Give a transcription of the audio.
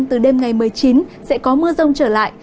từ đêm ngày một mươi chín sẽ có mưa rông trở lại